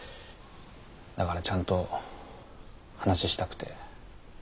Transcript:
だからちゃんと話したくて。